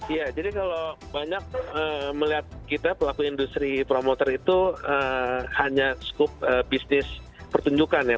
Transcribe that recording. iya jadi kalau banyak melihat kita pelaku industri promoter itu hanya skup bisnis pertunjukan ya